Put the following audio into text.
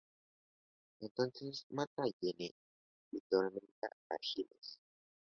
Entonces mata a Jenny, y tormenta a Giles.